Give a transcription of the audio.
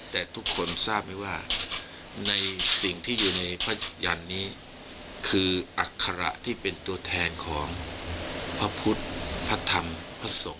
แต่ทุกคนทราบไหมว่าในสิ่งที่อยู่ในพระยันต์นี้คืออัคระที่เป็นตัวแทนของพระพุทธพระธรรมพระสงฆ์